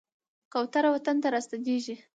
کوتره وطن ته راستنېږي.